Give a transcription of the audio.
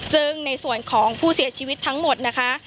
ซึ่งในส่วนของผู้เสียชีวิตทั้งหมดนะคะ